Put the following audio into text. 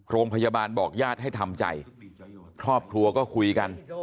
โรงพยาบาลบอกญาติให้ทำใจครอบครัวก็คุยกัน